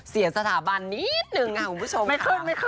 เสียสถาบันนิดหนึ่งคุณผู้ชมค่ะ